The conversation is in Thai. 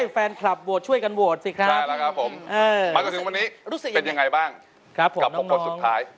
แฟนคลับช่วยกันโหวตสิครับมาก็ถึงวันนี้เป็นอย่างไรบ้างกับคนสุดท้าย